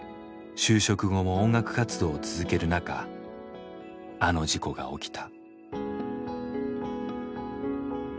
就職後も音楽活動を続けるなかあの事故が起きた。